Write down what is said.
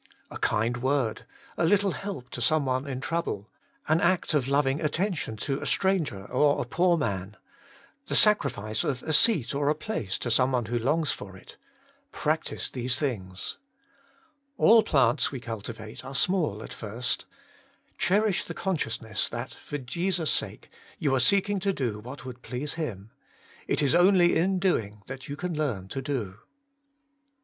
A kind word, a little help to some one in trouble, an act of loving attention to a stranger or a poor man, the sacrifice of a seat or a place to some one who longs for it — practise these things. All plants we cultivate are I20 Working for God small at first. Cherish the consciousness that, for Jesus' sake, you are seeking to do what would please Him. It is only in doing you can learn to do.